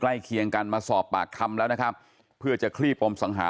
เคียงกันมาสอบปากคำแล้วนะครับเพื่อจะคลี่ปมสังหา